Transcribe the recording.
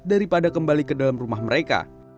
daripada kembali ke dalam rumah mereka